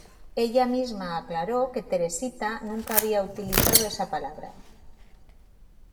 Ella misma aclaró que Teresita nunca había utilizado esa palabra.